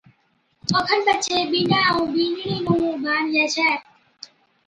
او کن پڇي بِينڏا ائُون بِينڏڙِي نُون اُڀاڻجي ڇَي